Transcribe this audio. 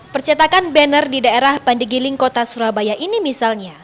percetakan banner di daerah pandegiling kota surabaya ini misalnya